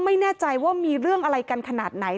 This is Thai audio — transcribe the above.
ไม่แน่ใจว่ามีเรื่องอะไรกันขนาดไหน